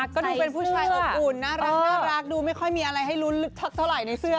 ก็ดูเป็นผู้ชายอบอุ่นน่ารักดูไม่ค่อยมีอะไรให้ลุ้นเท่าไหร่ในเสื้อ